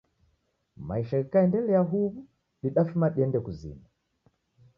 Maisha ghikaendelia huw'u didafuma dende kuzima.